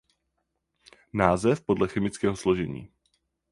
Název podle chemického složení.